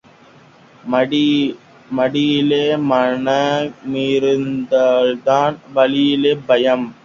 மடியிலே கனமிருந்தால்தான் வழியிலே பயம்.